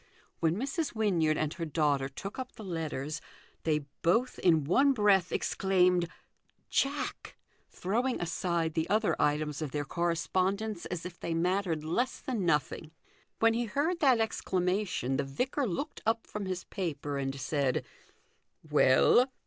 When Mrs. Wynyard and her daughter took 17 276 THE GOLDEN RULE. up the letters, they hoth in one breath exclaimed " Jack !" throwing aside the other items of their correspondence as if they mattered less than nothing. When he heard that exclama tion the vicar looked up from his paper and said, " Well